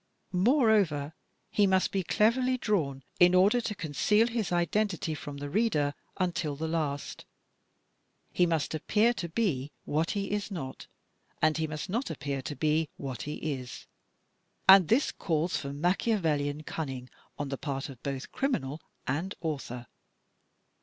Moreover, he must be cleverly drawn in order to conceal his identity from the reader until the last. He must appear to be what he is not, and he must not appear to be what he is; and this calls for Machiavelian cunning on the part of both criminal and author.